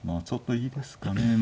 ちょっといいですかね。